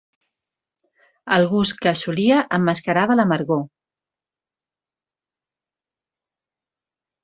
El gust que assolia emmascarava l'amargor.